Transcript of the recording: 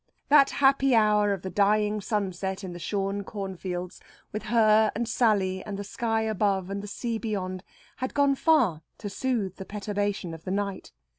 That happy hour of the dying sunset in the shorn cornfields, with her and Sally and the sky above and the sea beyond, had gone far to soothe the perturbation of the night.